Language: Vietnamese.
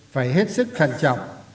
phải hết sức khẳng trọng